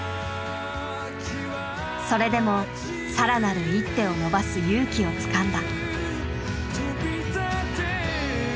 それでも更なる一手を伸ばす勇気をつかんだ。